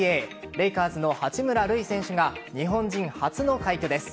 レイカーズの八村塁選手が日本人初の快挙です。